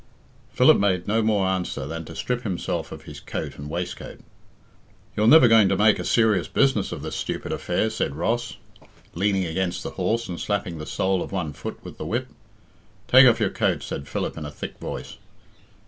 Philip made no more answer than to strip himself of his coat and waistcoat. "You're never going to make a serious business of this stupid affair?" said Ross, leaning against the horse and slapping the sole of one foot with the whip. "Take off your coat," said Philip in a thick voice.